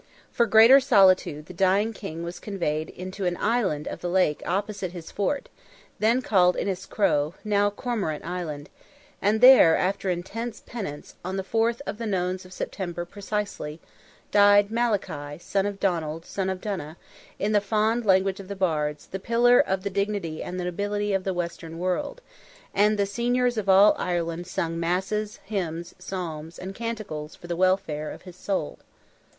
For greater solitude, the dying king was conveyed into an island of the lake opposite his fort—then called Inis Cro, now Cormorant Island—and there, "after intense penance," on the fourth of the Nones of September precisely, died Malachy, son of Donald, son of Donogh, in the fond language of the bards, "the pillar of the dignity and nobility of the western world:" and "the seniors of all Ireland sung masses, hymns, psalms, and canticles for the welfare of his soul."